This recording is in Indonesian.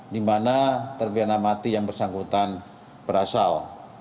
di mana terpidana mati yang bersangkutan berasal